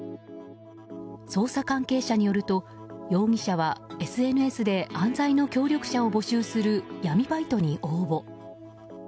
捜査関係者によると容疑者はＳＮＳで犯罪の協力者を募集する闇バイトに応募。